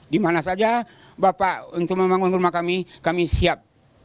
dimana saja bapak untuk membangun rumah kami kami siap